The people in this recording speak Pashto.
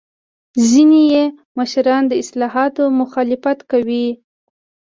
ځینې مشران د اصلاحاتو مخالفت کوي.